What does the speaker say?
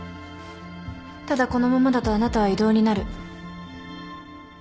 ただこのままだとあなたは異動になる。